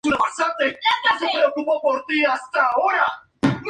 Tardó unos meses más, hasta septiembre, para salir al mercado internacional.